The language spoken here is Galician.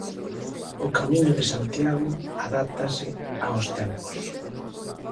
O Camiño de Santiago adáptase aos tempos.